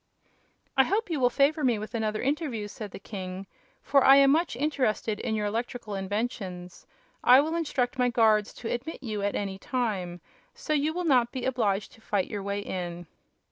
"I hope you will favor me with another interview," said the king, "for I am much interested in your electrical inventions. I will instruct my guards to admit you at any time, so you will not be obliged to fight your way in."